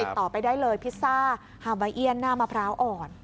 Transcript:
ติดต่อไปได้เลยพิซซ่าฮาบาเอียนหน้ามะพร้าวอ่อน